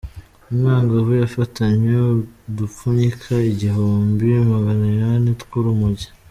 Umwangavu yafatanywe udupfunyika Igihumbi Maganinani tw’urumogi